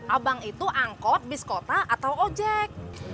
abang itu angkot biskota atau ojek